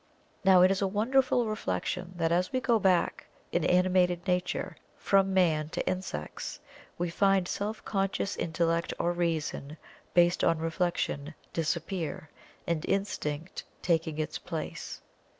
Now it is a wonderful reflection that as we go back in animated nature from man to insects, we find self conscious Intellect or Reason based on Reflection disappear, and Instinct taking its place.